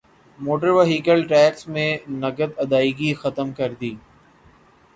motor vehicle tax میں نقد ادائیگی ختم کردی